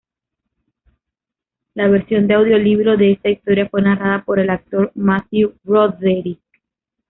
La versión de audiolibro de esta historia fue narrada por el actor Matthew Broderick.